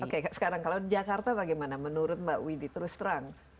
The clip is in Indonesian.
oke sekarang kalau di jakarta bagaimana menurut mbak widi terus terang